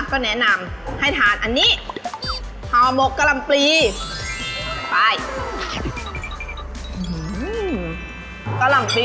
ก็แนะนำให้ทานอันนี้ห่อหมกกะลำปลีไป